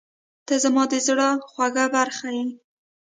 • ته زما د زړه خوږه برخه یې.